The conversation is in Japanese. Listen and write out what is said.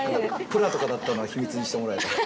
プラとかだったのは秘密にしてもらえたら。